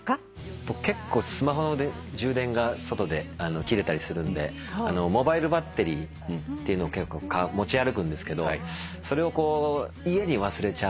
僕結構スマホの充電が外で切れたりするんでモバイルバッテリーを持ち歩くんですけどそれを家に忘れちゃうんですよ。